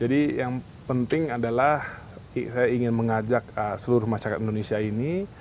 jadi yang penting adalah saya ingin mengajak seluruh masyarakat indonesia ini